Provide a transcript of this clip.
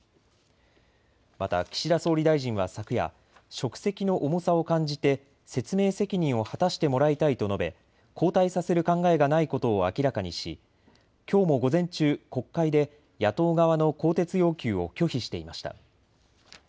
また岸田総理大臣は昨夜、職責の重さを感じて説明責任を果たしてもらいたいと述べ交代させる考えがないことを明らかにしきょうも午前中、国会で野党側の更迭要求を拒否していました。